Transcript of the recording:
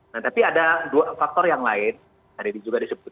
nah tapi ada dua faktor yang lain tadi juga disebut